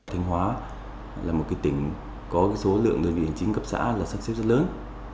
thanh hóa là một cái tỉnh có số lượng đơn vị chính cấp xã là sắp xếp rất lớn